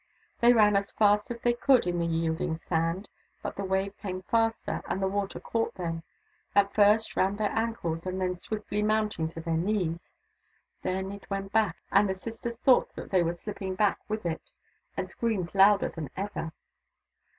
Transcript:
They ran as fast as they could in the yielding sand, but the wave came faster and the water caught them, at first round their ankles and then swiftly mounting THE DAUGHTERS OF WONKAWALA 179 to their knees. Then it went back, and the sisters thought that they were sHpping back with it, and screamed louder than ever.